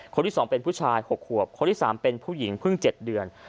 คนที่๒เป็นผู้ชาย๖ขวบคนที่๓เป็นผู้หญิงเพิ่ง๗เดือน